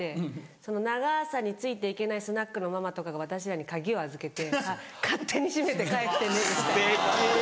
その長さについて行けないスナックのママとかが私らに鍵を預けて「勝手に閉めて帰ってね」みたいな。